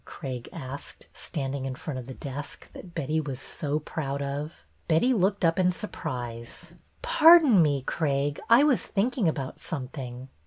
Craig asked, standing in front of the desk that Betty was so proud of. Betty looked up in surprise. " Pardon me, Craig, I was thinking about something."